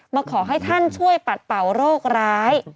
มาขอให้ท่านช่วยปัดเป่าโรคร้าย